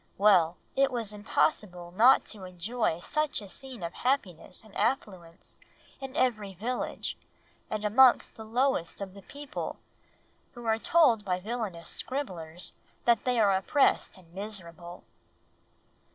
Well! It was impossible not to enjoy such a scene of happiness and affluence in every village, and amongst the lowest of the people; who are told by villainous scribblers that they are oppressed and miserable."